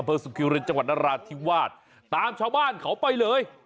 อเผอร์สุคิวรินทร์จังหวัดนราชทิวาสตามชาวบ้านเขาไปเลย